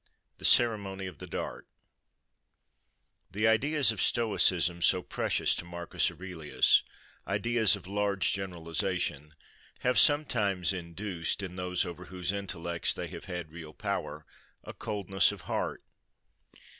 "THE CEREMONY OF THE DART" The ideas of Stoicism, so precious to Marcus Aurelius, ideas of large generalisation, have sometimes induced, in those over whose intellects they have had real power, a coldness of heart.